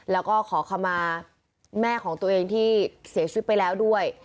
แล้วก็ขอคำมาแม่ของตัวเองที่เสียชีวิตไปแล้วด้วย